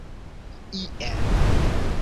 iel